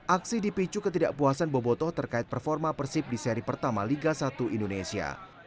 aksi dipicu ketidakpuasan boboto terkait performa persib di seri pertama liga satu indonesia